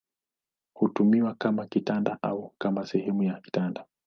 Hutumiwa kama kitanda au kama sehemu ya kitanda.